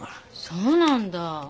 そうなんだ。